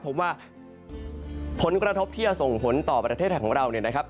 พบว่าผลกระทบที่จะส่งผลต่อประเทศไทยของเราเนี่ยนะครับ